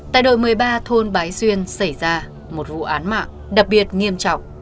tại đội một mươi ba thôn bái xuyên xảy ra một vụ án mạng đặc biệt nghiêm trọng